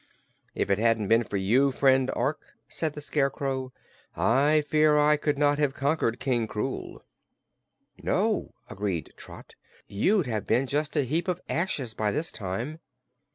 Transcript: "If it hadn't been for you, friend Ork," said the Scarecrow, "I fear I could not have conquered King Krewl." "No," agreed Trot, "you'd have been just a heap of ashes by this time."